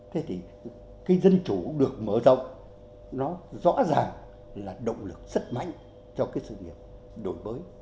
thế thì cái dân chủ được mở rộng nó rõ ràng là động lực rất mạnh cho cái sự nghiệp đổi mới